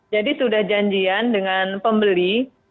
jadi sudah janjian dengan pembeli